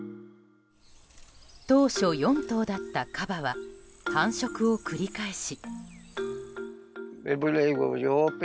当初４頭だったカバは繁殖を繰り返し。